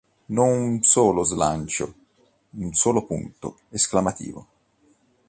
Non un solo slancio, un solo punto esclamativo.